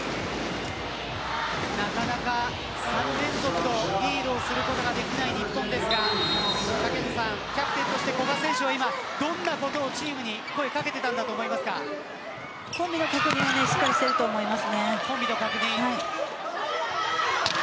なかなか３連続のリードをすることができない日本ですがキャプテンとして古賀選手は今どんなことをチームに声を掛けていたんだとコンビの確認をしっかりしていると思います。